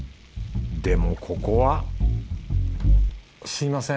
でもここはすみません。